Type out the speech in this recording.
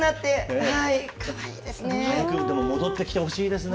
戻ってきてほしいですね。